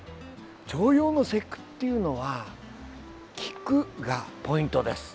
重陽の節句っていうのは菊がポイントです。